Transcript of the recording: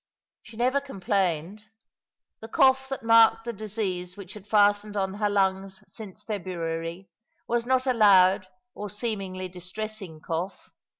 She never complained ; the cough that marked the disease which had fastened on her lungs since February was not a loud or seemingly distressing cough.